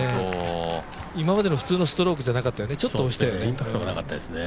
今までの普通のストロークじゃなかったよね、ちょっと押したね。